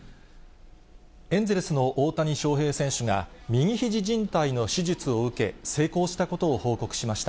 エンゼルスの大谷翔平選手が、右ひじじん帯の手術を受け、成功したことを報告しました。